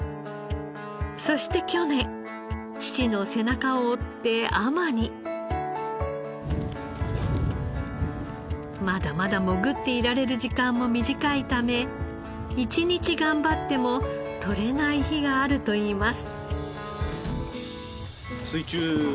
そしてまだまだ潜っていられる時間も短いため一日頑張っても穫れない日があるといいます。